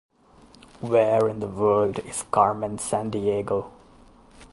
Where in the World Is Carmen Sandiego?